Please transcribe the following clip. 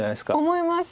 思います。